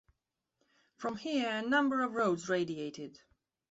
From here a number of roads radiated.